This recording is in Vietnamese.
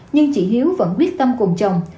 nhưng chị hiếu vẫn quyết tâm cùng chồng